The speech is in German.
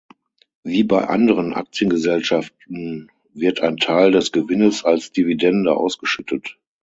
Wie bei anderen Aktiengesellschaften wird ein Teil des Gewinnes als Dividende ausgeschüttet.